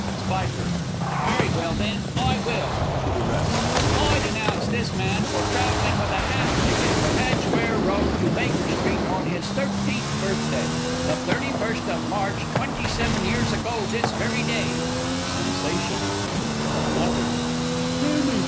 Spiker. Very well then; I will. (To the rest.) I denounce this man for travelling with a half ticket from Edgware Road to Baker Street on his thirteenth birthday, the 31st of March twenty seven years ago this very day! [Sensation. _Blethers.